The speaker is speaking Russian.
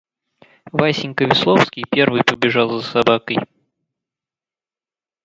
Васенька Весловский первый побежал за собакой.